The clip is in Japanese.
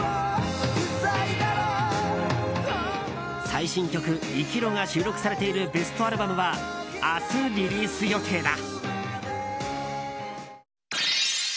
最新曲「生きろ」が収録されているベストアルバムは明日、リリース予定だ。